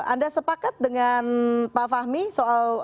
anda sepakat dengan pak fahmi soal